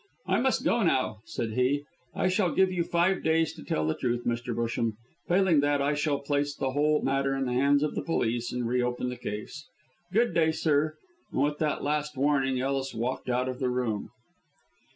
"I must go now," said he. "I shall give you five days to tell the truth, Mr. Busham. Failing that, I shall place the whole matter in the hands of the police, and re open the case. Good day, sir;" and with that last warning Ellis walked out of the room.